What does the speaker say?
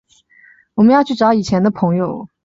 我们要去找以前的朋友